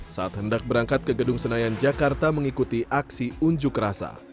saat hendak berangkat ke gedung senayan jakarta mengikuti aksi unjuk rasa